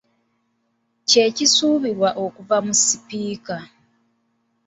Kye kisuubirwa okuvaamu sipiika.